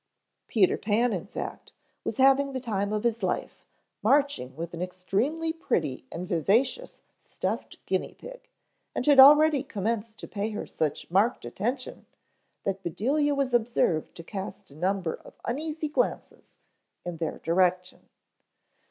Peter Pan, in fact, was having the time of his life, marching with an extremely pretty and vivacious stuffed guinea pig, and had already commenced to pay her such marked attention that Bedelia was observed to cast a number of uneasy glances in their direction.